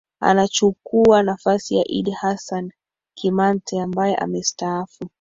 Anachukua nafasi ya Iddi Hassan Kimante ambaye amestaafu